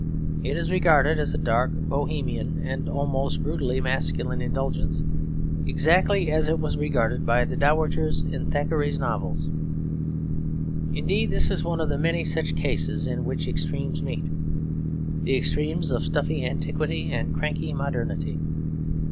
It is regarded as a dark, bohemian, and almost brutally masculine indulgence; exactly as it was regarded by the dowagers in Thackeray's novels. Indeed, this is one of the many such cases in which extremes meet; the extremes of stuffy antiquity and cranky modernity.